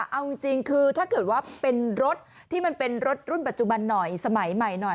เอาจริงคือถ้าเกิดว่าเป็นรถที่มันเป็นรถรุ่นปัจจุบันหน่อยสมัยใหม่หน่อย